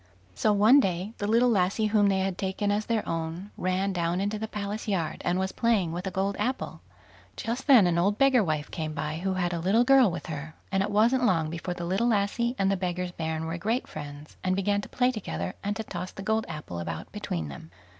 So one day the little lassie whom they had taken as their own, ran down into the palace yard, and was playing with a gold apple. Just then an old beggar wife came by, who had a little girl with her, and it wasn't long before the little lassie and the beggar's bairn were great friends, and began to play together, and to toss the gold apple about between them.